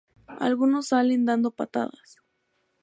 Algunos salen dando patadas.